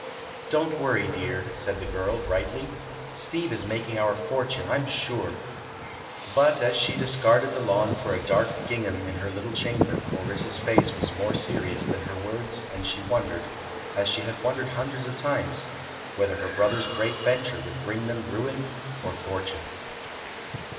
"Don't worry, dear," said the girl, brightly. "Steve is making our fortune, I'm sure." But as she discarded the lawn for a dark gingham in her little chamber, Orissa's face was more serious than her words and she wondered—as she had wondered hundreds of times—whether her brother's great venture would bring them ruin or fortune.